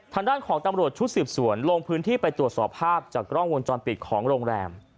ทางด้านของตำรวจชุดสืบสวนลงพื้นที่ไปตรวจสอบภาพจากกล้องวงจรปิดของโรงแรม